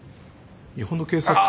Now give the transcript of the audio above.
日本の警察は。